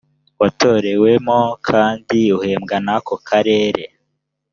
watorewemo kandi uhembwa n ako karere